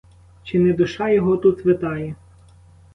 Чи не душа його тут витає?